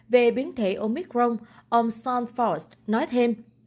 về biến thể omicron ông sean forrest nói thêm